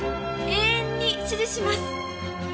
永遠に支持します。